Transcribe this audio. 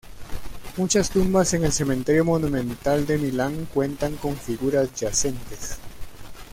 Muchas tumbas en el cementerio monumental de Milán cuentan con figuras yacentes.